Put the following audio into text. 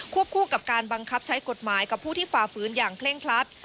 คู่กับการบังคับใช้กฎหมายกับผู้ที่ฝ่าฝืนอย่างเคร่งครัด